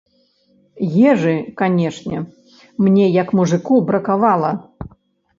Ежы, канечне, мне як мужыку бракавала.